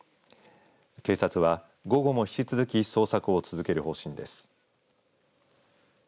警察は午後も引き続き捜索を続ける方針です。